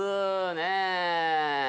ねえ。